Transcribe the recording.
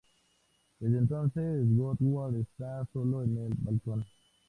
Desde entonces Gottwald está solo en el balcón.